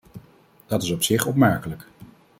Dat is op zich opmerkelijk.